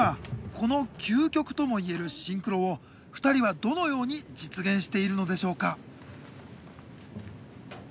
この究極とも言えるシンクロを２人はどのように実現しているのでしょうか？